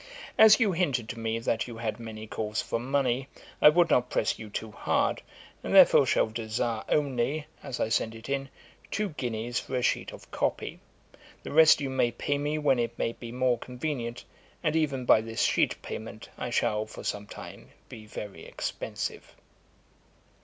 As you hinted to me that you had many calls for money, I would not press you too hard, and therefore shall desire only, as I send it in, two guineas for a sheet of copy; the rest you may pay me when it may be more convenient; and even by this sheet payment I shall, for some time, be very expensive.